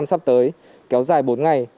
sắp tới kéo dài bốn ngày